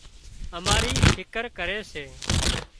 اماري فڪر ڪري سي